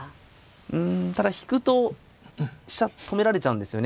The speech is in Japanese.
うんただ引くと飛車止められちゃうんですよね。